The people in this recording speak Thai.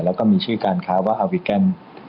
แล้วก็มีชื่อการค้าว่าอาวิแกน